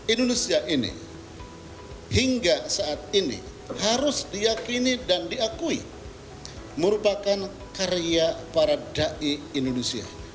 indonesia ini hingga saat ini harus diakini dan diakui merupakan karya para ⁇ dai ⁇ indonesia